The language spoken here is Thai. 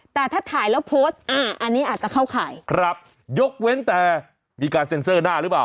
แต่ถ้าถ่ายแล้วโพสต์อ่าอันนี้อาจจะเข้าข่ายครับยกเว้นแต่มีการเซ็นเซอร์หน้าหรือเปล่า